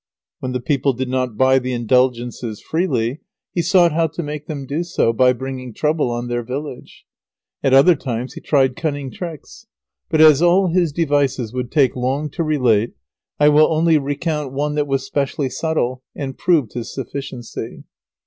When the people did not buy the Indulgences freely, he sought how to make them do so by bringing trouble on their village. At other times he tried cunning tricks. But as all his devices would take long to relate, I will only recount one that was specially subtle, and proved his sufficiency.